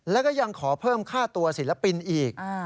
แล้วก็ยังขอเพิ่มค่าตัวศิลปินอีก